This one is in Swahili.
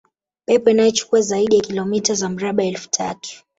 pepo inayochukua zaidi ya kilometa za mraba elfu tatu